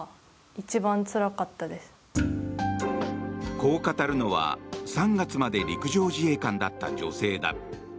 こう語るのは、３月まで陸上自衛隊だった女性だ。